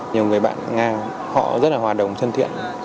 nhiều người bạn nga họ rất là hòa đồng thân thiện